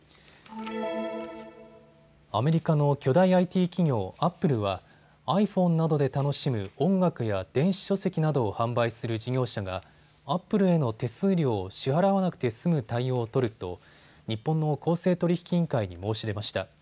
アメリカの巨大ＩＴ企業アップルはｉＰｈｏｎｅなどで楽しむ音楽や電子書籍などを販売する事業者がアップルへの手数料を支払わなくて済む対応を取ると日本の公正取引委員会に申し出ました。